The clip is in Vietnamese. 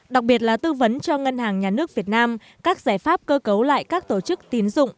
đặc biệt là tư vấn cho ngân hàng nhà nước việt nam các giải pháp cơ cấu lại các tổ chức tín dụng